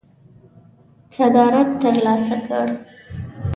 صدارت ترلاسه کړ.